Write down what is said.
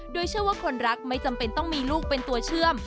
โดยเชื่อว่าคนรักไม่จำเป็นต้องมีลูกเป็นตัวเชื่อม